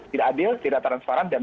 tidak adil tidak transparan